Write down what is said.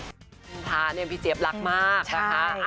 คุณพระเนี่ยพี่เจี๊ยบรักมากนะคะ